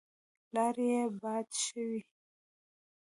لاړې يې باد شوې.